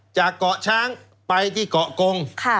จากเกาะช้างไปที่เกาะกง